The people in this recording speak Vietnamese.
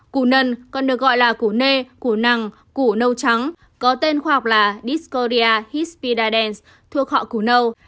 củ nần còn được gọi là củ nê củ nằng củ nâu trắng có tên khoa học là dyskoria hispididens thuộc họ củ nâu